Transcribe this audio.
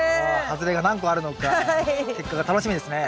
外れが何個あるのか結果が楽しみですね。